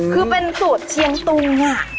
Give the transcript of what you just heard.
คือเป็นสุดเชียงตุงน่ะ